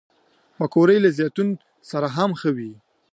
پکورې له زیتون سره هم ښه وي